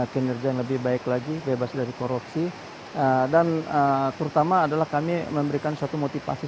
kinerja yang lebih baik lagi bebas dari korupsi dan terutama adalah kami memberikan satu motivasi